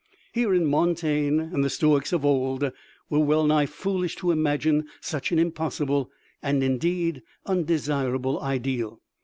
Herein MONTAIGNE and the Stoics of old were well nigh foolish to imagine such an impossible and indeed undesirable ideal.